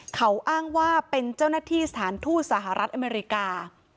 เขาอ้างว่าเป็นเจ้าหน้าที่สถานทูตสหรัฐอเมริกา